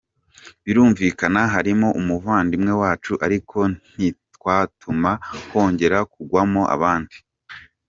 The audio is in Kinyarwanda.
Birumvikana harimo umuvandimwe wacu ariko ntitwatuma hongera kugwamo abandi.